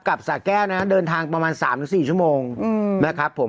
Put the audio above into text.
สาแก้วนะเดินทางประมาณ๓๔ชั่วโมงนะครับผม